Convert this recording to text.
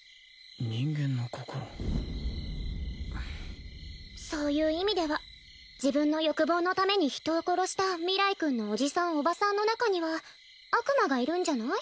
人間の心そういう意味では自分の欲望のために人を殺した明日君の叔父さん叔母さんの中には悪魔がいるんじゃない？